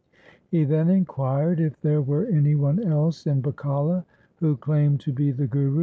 He then inquired if there were any one else in Bakala who claimed to be the Guru.